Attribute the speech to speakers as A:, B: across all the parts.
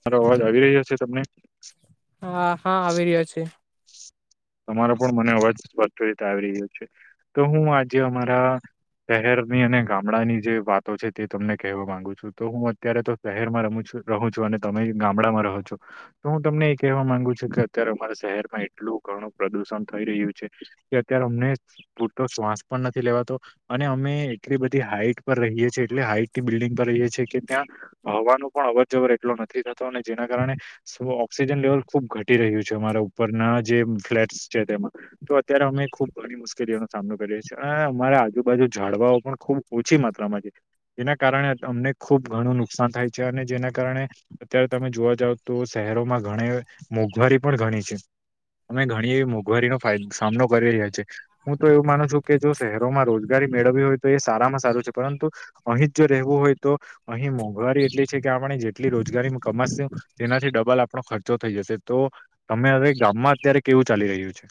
A: મારો અવાજ આવી રહ્યો છે તમને?
B: હા હા આવી રહ્યો છે
A: તમારો પણ મને અવાજ સ્પષ્ટ રીતે આવી રહ્યો છે. તો હું આજે અમારા શહેરની અને ગામડાની જે વાતો છે તે તમને કહેવા માંગુ છું. તો હું અત્યારે તો શહેરમાં રમું છુ. રહું છો અને તમે ગામડામાં રહો છો તો હું તમને એ કહેવા માંગુ છું કે અત્યારે અમારા શહેરમાં એટલું ઘણું પ્રદુષણ થઈ રહ્યું છે કે અત્યારે અમને પૂરતો શ્વાસ પણ નથી લેવાતો અને અમને અમે એટલી બધી હાઈટ પર રહીએ છીએ એટલે હાઈટની બિલ્ડિંગ પર રહીએ કે ત્યાં હવાનું પણ અવર જવર એટલો નથી થતો અને જેના કારણે શુ ઓક્સિજન લેવલ ખુબ ઘટી રહ્યું છે અમારા ઉપરના જે ફ્લેટ છે તેમાં તો અત્યારે અમે ખુબ ઘ મુશ્કેલીઓનો સામનો કરીએ છીએ અને અમારા આજુબાજુ ઝાડવા તો પણ ખુબ ઓછી માત્રામાં છે. એના કારણે અમને ખુબ ઘણું નુકસાન થાય છે અને જેના કારણે અત્યારે તમે જોવા જાવ તો સે શહેરોમાં ઘણી મોંઘવારી પણ ઘણી છે. અમે ઘણી એવી મોંઘવારીનો સામનો કરી રહ્યા છીએ હું તો એવું માનું છું કે જો શહેરોમાં રોજગારી મેં મેળ હોય તો એ સારામાં સારું છે પરંતુ અહીં જ જો રહેવું હોય તો અહીં મોંઘવારી એટલી છે કે આપણે જેટલી રોજગારીમાં કમા તેનાથી ડબલ આપણો ખર્ચો થઈ જશે તો તમે હવે ગામમાં અત્યારે કેવું ચાલી રહ્યું છે.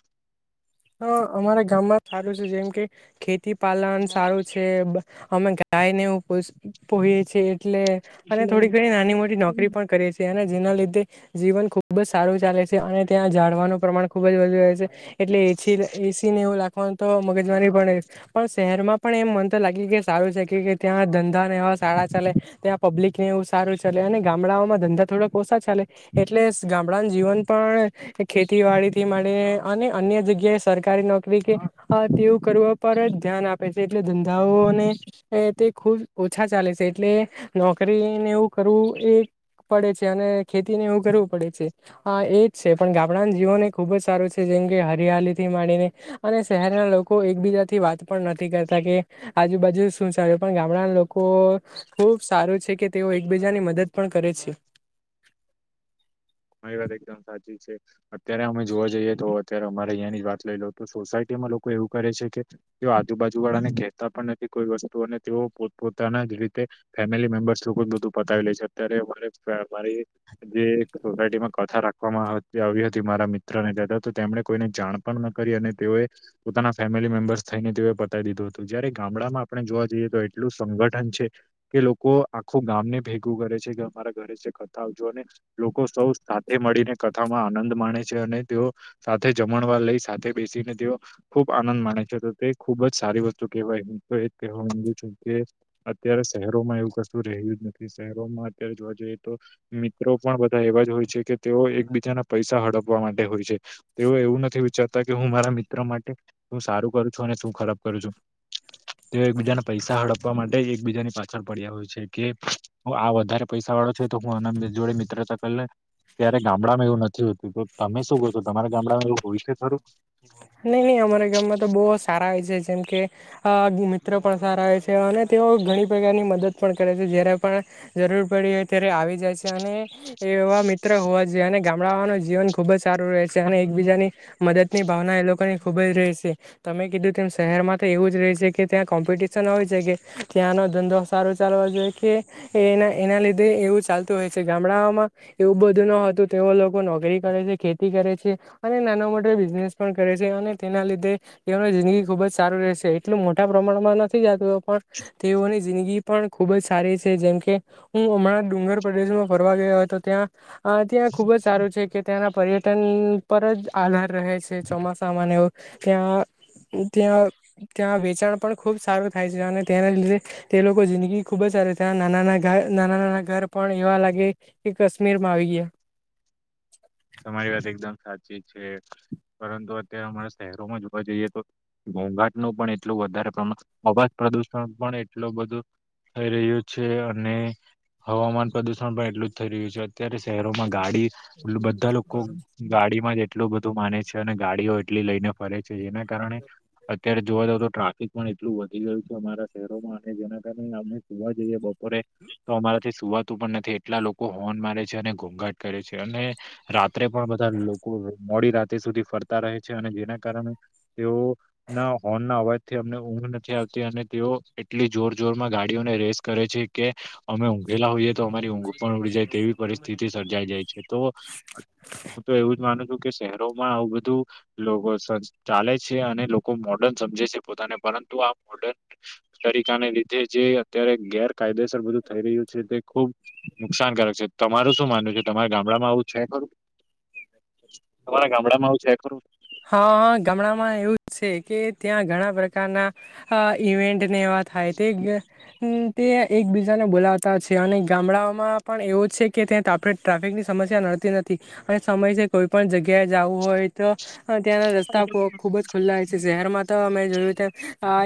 B: હા અમારા ગામમાં સારું છે જેમ કે ખે તિ પાલન સારું છે અમે ગાયનેું પોએ છીએ એટલે અને થોડી ઘણી નાની મોટી નોકરી પણ કરે છે અને જેના લીધે જીવન ખૂબ જ સારું ચાલે છે અને ત્યાં ઝડવાનું પ્રમાણ ખુબ જ વધુ રહે છે એટલે એ એ સી ને એવું લાગતા તો મગજવાની પણ પણ શહેરમાં પણ એમ મન તો લાગી કે સારું છે કે કે ત્યાં ધંધાને એવા સારા ચાલે ત્યાં પબ્લિક ને એવું સારું ચાલે અને ગામડાઓમાં ધંધા થોડાક ઓછા ચાલે એટલે ગામડા જીવન પણ ખેતીવાડી થી મળ અને અન્ય જગ્યા કે સરકારી નોકરી કે તેવું કરવા પર જ ધ્યાન આપે છે એટલે ધંધાઓને તે ખુબ ઓછા ચાલે છે એટલે નોકરીને એવું કરવું એ પડે છે અને ખેતી ને એ કરવું પડે છે. અ એજ છે પણ ગામડાના જીવન એ ખુબ જ સારું છે. કેમ કે હરિયાલી થી માડીને અને શહેરના લોકો એકબીજાથી વાત પણ નથી કરતા કે આજુબાજુ શું ચાલે પણ ગામડા લોકો ખુબ સારું છે કે તેઓ એકબીજા ની મદદ પણ કરે છે.
A: મારી વાત એકદમ સાચી છે અત્યારે અમે જોવા જઈએ તો અત્યારે અમારે અહંની જ વાત લઈ લો તો સોસાયટી લોકો એવું કરે છે કે તેઓ આજુબાજુ વાળા ને કહેતા પણ નથી કોઈ વસ્તુ અને તેઓ પોત પોતાના રીતે ફેમિ મેમ્બર્સ લોકો બધું પતાવી લે છે અત્યારેરે મારી જે સોસાયટીમાં કથા રાખવામાં આવી હતી મારા મિત્ર ને તથા તો તેમણે કોઈને જાણ પણ ન કરી અને તેઓ પોતાના ફેમિલી મેમ્બર્સ થઈને તેઓએ પતાવી દીધું હતું જયારે ગામડામાં આપણે જોવા જઈએ તો એટલું સંગ તા છે કે લોકો આખું ગામને ભેગું કરે છે કે અમારા ઘરે કરતા આવજોને લોકો સૌ સાથે મળીને કથામાં આનંદ માણે છે અને તેઓ સાથે જમણવા લઈ સાથે બેસી ને તેઓ ખુબ આનંદ માને છે તો તે ખુબ જ સારી વસ્તુ કહેવાય તો એ જ કહેવાયુ કે અત્યારે શહેરોમાં એવું કશું રહ્યું જ નથી શહેરોમાં અત્યારે જોવા જઈએ તો મિત્રો પણ બધા એવા જ હોય છે કે તેઓ એકબીજાના પૈસા હડપવા માટે હોય છે તેઓ એવું નથી વિચારતા કે હું હું મારા મિત્રો માટે હું સારું કરું છું અને તું ખરાબ કરું છું. તે એકબીજાને પૈસા હડપવા માટે એકબીજાની પાછળ પડ્યા હોય છે કે આ વધારે પૈસા તો [unintelligible] જોડ તરત પેલે ત્યારે ગામડામાં એવું નથી હોતું તો તમે શું કો છો તમારે ગામડામાંવું
B: નઈ નહી અમારા ગામમાં તો બહ સારા હોય છે જેમ કે આ મિત્ર પણ સારા આવે છે અને તેઓ ઘણી પ્રકારની મદદ પણ કરે છે જ્યારે પણ જરૂર પડી ત્યારે આવી જાય છે અને એ એવા મિત્ર હોવા જોઈએ અને ગામડાઓનું જીવન ખુબ જ સારું રહે છે અને એકબીજાની મદદની ભાવના એ લોકોને ખૂબ જ રહે છે તમે કીધું તેમ શહેરમાં તો એવું જ રહે છે કે ત્યાં કોમ્પિટિશન હોય છે કે ત્યાંનો ધંધો સારો ચાલવો જોઈએ કે એ એના લીધે એવું ચાલતું હોય છે. ગામડામાં એવું બધું ન હતું તેઓ લોકો નોકરી કરે છે ખેતી કરે છે અને નાના મોટા બિઝનેસ પણ કરે છે અને તેના લીધે એ જિંદગી ખુબ જ સારું રહે છે એટલું મોટા પ્રમાણમાં નથી તેઓની જિંદગી પણ ખુબ જ સારી છે જેમકે હું હમણાં ડુંગર પ્રદેશમાં ફરવા ગયો તો ત્યાં ત્યાં ખુબ જ સારું છે કે ત્યાંના પર્યટન પર જ આધાર રહે છે ચોમાસામાં ત્યાં ત્યાં ત્યાં વેચાણ પણ ખુબ સારું થાય છે અને તેના લીધે તે લોકો જિંદગી ખુબ જ ત્યાં નાના નાના ઘર નાના નાના ઘર પણ એવા લાગે કે કશ્મીરમાં આવી ગયા
A: [inaudible] તમારી વાત એકદમ સાચી છે પરંતુ અત્યારે અમારા શહેરોમાં જોવા જઈએ તો ઘોંઘાટનું પણ એટલું વધારે પ્રમાણ અવાજ પ્રદુષણ પણ એટલું બધું થઈ રહ્યું છે અને હવામાન પ્રદુષણ પણ એટલું જ થઈ રહ્યું છે અત્યારે શહેરોમાં ગાડી એટલું બધા
B: [inaudible]
A: લોકો ગાડીમાં જ એટલું બધું માને છે અને ગાડીઓ એટલી લઈને ફરે છે જેના કારણે અત્યારે જોવા જાવ તો ટ્રાફિક પણ એટલું વધી ગયું છે અમારા શહેરોમાં અને જેના કારણે અમે જોવા જઈએ બ પોરે તો અમારાથી સુવાતું પણ નથી એટલા લોકો હોર્ન મારે છે અને ઘોંઘાટ કરે છે અને રાત્રે પણ બધા લોકો મોડી રાતે સુધી ફરતા રહે છે અને જેના કારણે તેઓ ના હોર્નના અવાજ થી અમને ઊંઘ નથી આવતી અને તેઓ એટલી જોર જોરમાં ગાડીઓને રેસ કરે છે કે અમે ઊંઘેલા હોઈએ તો અમારી ઊંઘ પણ ઉડી જાય તેવી પરિસ્થિતિ સર્જાઈ જાય છે તો હું તો એવું જ મા નું છું કે શહેરોમાં આવું બધું લોગો સ ચાલે છે અને લોકો મોર્ડર્ન સમજે છે પોતાને પરંતુ આ મોડર્ન તરીકાને લીધે જે અત્યારે ગેરકાયદેસર બધું થઈ રહ્યું છે તે ખુબ નુકસાનકારક છે તમારું શું માનવું છે તમારા ગામડામાં આવું છે ખરું તમારા ગામડામાં આવું છે ખરું
B: હા ગમડામાં એવું છે કે ત્યાં ઘણા પ્રકારના અ ઇવેન્ટ ને એવા થાય તે તે એકબીજાને બોલાવતા છે અને ગામડામાં પણ એવો છે કે ત્યાં આપણે ટ્રાફિકની સમસ્યા સમસ્યા નડતી નથી અને સમયસર કોઈ પણ જગ્યાએ જવું હોય તો ત્યાંના રસ્તા ખુબ જ ખુલ્લા હોય છે શહેરમાં તો મે જોયું તો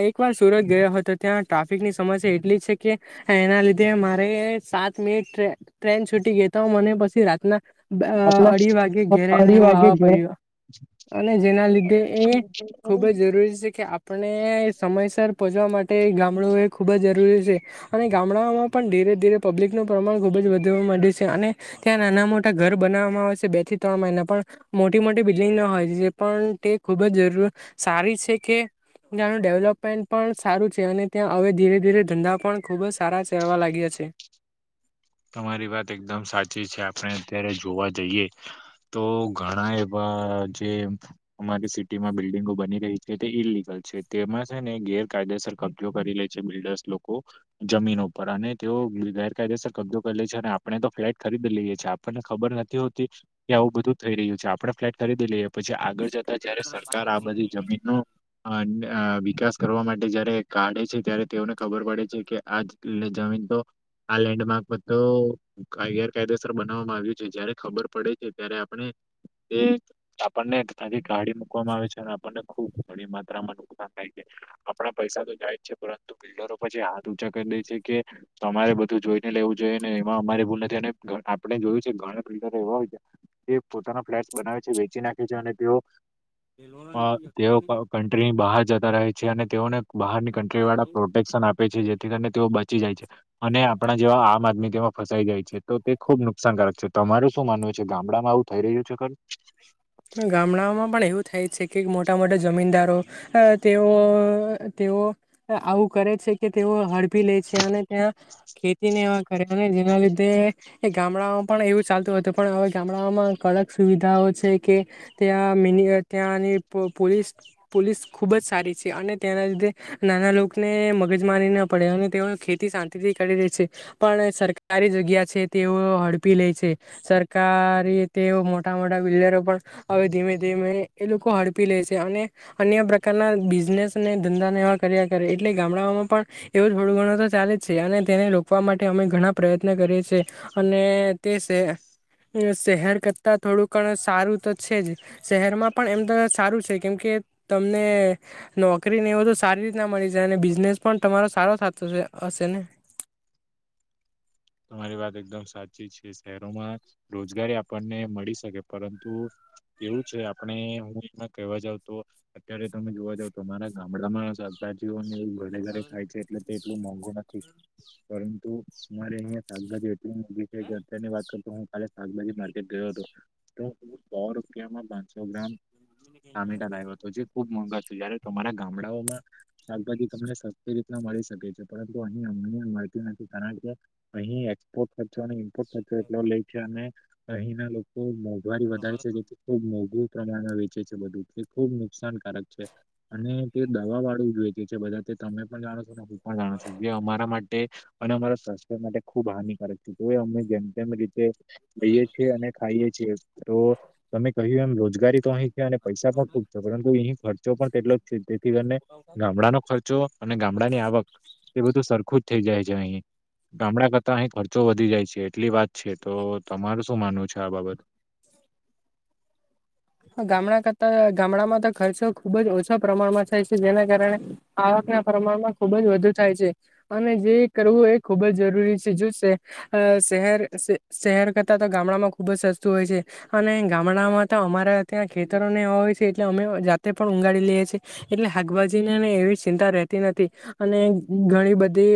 B: એક વાર સુરત ગયો હતો ત્યાં ટ્રાફિકની સમસ્યા એટલી જ છે કે એના લીધે મારે સાત મિનિટ ટ્રે ટ્રેન છૂટી ગઈ તો મને પછી રાતના અ
A: આટલા
B: અઢી વાગે ઘેરે ને
A: ફરી
B: એવું
A: વાગે
B: આવા
A: ઘેર
B: પડ્યું અને જેના લીધે એ ખુબ જ જરૂરી છે કે આપણે સમયસર પહોંચવા માટે ગામડું એ ખુબ જ જરૂરી છે છે અને ગામડામાં પણ ધીરે ધીરે પબ્લિકનું પ્રમાણ ખુબ જ વધવા મળ્યું છે અને ત્યાં નાના મોટા ઘર બનાવવામાં આવે છે બે થી ત્રણ મહિના પણ મોટી મોટી બિલ્ડિંગના હોય જે પણ તે ખૂબ જરૂર સારી છે કે ત્યાંનું ડેવલપમેન્ટ પણ સારું છે અને ત્યાં હવે ધીરે ધીરે ધંધા પણ ખુબ જ સારા છેવા લાગ્યા છે
A: [inaudible] તમારી વાત એકદમ સાચી છે આપણે અત્યારે જોવા જઈએ તો ઘણા એવા અ જે અમારી સિટીમાં બિલ્ડિંગો બની રહી છે તે ઈલિગલ છે તેમાં છે ને ગેર કાયદેસર કબજો કરી લે છે બિલ્ડર્સ લોકો જમીન ઉપર અને તેઓ ગેરકાયદેસર કબજો કરીલે છે અને આપણે તો ફ્લેટ ખરીદી લઈએ છીએ આપણને ખબર નથી હોતી કે આવું બધું થઈ રહ્યું છે આપડ ફ્લેટ ખરીદી લઈએ પછી આગળ જતા જયારે સરકાર આ બધી જમીનનો અ વિકાસ કરવા માટે જયારે કાઢે છે ત્યારે તેઓને ખબર પડે છે કે આ લ જમીન તો આ લેન્ડ માર્ક બધો કાય ગેરકાયદેસર બનાવવામાં આવ્યું છે જયારે ખબર પડે છે ત્યારે આપણે તે આપણને આ જે ગાડી મકવામાં આવે છે અને આપણને ખુબ ઘણી માત્રામાં નુકસાન થાય છે આપડા પૈસા તો જાય જ છે પરંતુ બિલ્ડરો પછી હાથ ઊંચા કર છે કે તમારે બધું જોઈ લેવું જોઈએને એમાં અમારી ભૂલ નથી અને આપણે જોયું છે ઘણા બિલ્ડર એવા હોય છે કે પોતાના ફ્લેટ બનાવે છે વેચી નાખે છે અને તેઓ અ તેઓ ક કન્ટ્રીની બહાર જતા રહે છે અને તેઓને બહારની કન્ટ્રી વાળા પ્રોટેક્શન આપે છે જેથી કરીને તેઓ બચી જાય છે અને આપણા આમ આદમી તેમાં ફસાઈ જાય છે તો તે ખુબ નુકસાનકારક છે તો અમારે શું માનવું છે ગામડામાં આવું થઈ રહ્યું છે ખર
B: ગામડાઓમાં પણ એવું થાય છે કે મોટા મોટા જમીનદારો અ તેઓ, તેઓ આવું કરે છે કે તેઓ હડપ આપી લે છે અને ત્યાં ખેતી ને એવા કરે જેના લીધે એ ગામડામાં પણ એવું ચાલતું હતું પણ હવે ગામડાઓમાં ક અલગ સુવિધા સારું છે કે ત્યાં મિનિવે, ત્યાંની પો, પોલીસ, પોલીસ ખૂબ જ સારી છે. અને ત્યાના લીધે નાના લોકોને મગજમારી ના પડે અને તે ખેતી શાંતિ થી કરી દે છે પણ સરકારી જગ્યા છે તેઓ હડપી લે છે સરકારી તેઓ મો મોટા મોટા બિલ્ડરો પણ હવે ધીમે ધીમે એ લોકો હડપી લે છે અને અન્ય પ્રકારના બિઝ બિઝનેસને ધંધાને એવા કર્યા કરે એટલે ગામડાઓમાં પણ એવુ થોડું ઘણું તો ચાલે જ છે અને તેને રોકવામાં માટે અમે ઘણા પ્રયત્ન કરીએ છે અને તે સહે, સહેર કરતા તો થોડુંઘણ સારું તો છે જ. સહેરમાં પણ એમ તો સારું છે કેમકે તમને નોકરી ને એવું તો સારી રીતના મળી જાય અને બિઝનેસ પણ તમારો સારો થાતો સે, હશે ને?
A: [inaudible] તમારી વાત એકદમ સાચી છે સહેરોમાં રોજગારી આપણને મળી શકે પરંતુ કેવું છે આપણે હું એમાં કવા જાઉં તો અત્યારે તમે જોવા જાવ તો મારા ગામડામાં ચાલતા જ તો ને એવું ઘરે ઘરે ખાય છે એટલે એટલું મોંઘું નથી પરંતુ સમારે અહિયા સાચી વાત [unintelligible] એની વાત હાલે શાકભાજી માર્કેટ ગયો હતો તો હ સો રૂપિયામાં પાંચસો ગ્રામ ટામેટા લાવ્યા હતો જે ખુબ મોગજત જયારે તમારા ગામડાઓમાં શાકભાજી તમને સસ્તી રીતના મળી શકે છે પરંતુ અ અમ નથી ત કે અહીં એક્સપોર્ટ ખર્ચો અને ઇમ્પોર્ટ ખર્ચો એટલો લે છે અને અહીં ના લોકો વળી વધારે છે જેથી ખૂબ મોંઘું પ્રમાણમાં વેચે છે બધું, તે ખુબ નુકસાનકારક છે અને તે દવા વાળું જ વેચે છે બધા તમે પણ જાણો છો હું પણ જાણું છું, જે અમારા માટે અને અમારા માટે ખુબ હાનિકારક છે તોય અમે જેમ તેમ રીતે લઈએ છેએ અને ખાઈએ છીએ તો તમે કહ્યું એમ રોજગારી તો અહીં છે અને પૈસા પણ ખૂબ પરંતુ ઈ ખર્ચો પણ તેટલો તેથી કરીને ગામડાનો ખર્ચો અને ગામડાની આવક એ બધું સરખું જ થઈ જાય છે. ગામડા કરતા અહી ખર્ચો વધી જાય છે એટલી વાત છે તો તમારૂ શું માનવું છે? આ બાબત
B: ગામડા કરતા, ગામડામાં તો ખર્ચો ખુબ જ ઓછા પ્રમાણમાં થાય છે જેના કારણે આવક ના પ્રમાણમાં ખુબ જ વધુ થાય છે. અને જે કરવું એ ખુબ જ જરૂરી છે જો સહે, સહેર, સહેર કરતા ગામડામાં ખુબ જ સસ્તું હોય છે અને ગામડામાં તો અમા ત્યાં ખેતરોને હોય છે એટલે અમે જાતે પણ ઊંગાડી લએ છીએ એટલે હાગભાજીનીને એવી ચિંતા તી નથી અને ઘણી બધી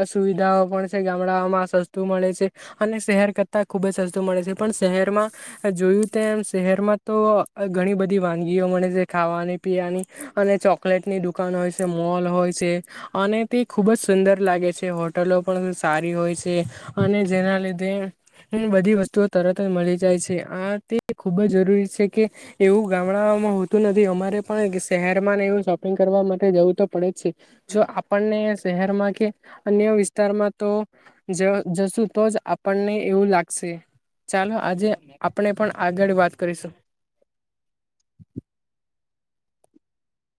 B: અ સુવિધાઓ પણ છે ગામડાઓમાં, સસ્ત મળે છે અને સહેર કરતા ખુબ જ સસ્તું મળે છે. પણ સહેરમાં જોયું તેમ, સહેરમાં તો ઘણી બધી વાનગીઓ મળે છે, ખાવાની, પીવાની, અને ચોકલેટ ની ડુકાન હોય છે મોલ હોય છે અને તે ખુબ જ સુંદર લાગે છે, હોટલો પણ સારી હોય છે અને જેના લીધે બધી વસ્તુઓ તરત જ મળી જાય છે, આ તે ખુબ જ જરૂરી છે કે એવું ગામડાઓમાં હોતું નથી અમારે પણ સહેરમાં ને એવું સોપિંગ કરવા માટે જવું તો પડે છે જો આપણને સહેરમાં કે અન્ય વિસ્તારમાં તો જ સુ તો જ આપણને એવું લાગસે. ચાલો, આજે આપણે પણ આગળ વાત કરીસુ.